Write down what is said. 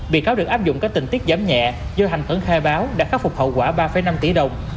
bị cáo được áp dụng các tình tiết giảm nhẹ do hành tấn khai báo đã khắc phục hậu quả ba năm tỷ đồng